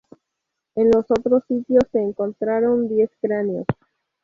En los otros sitios, se encontraron diez cráneos.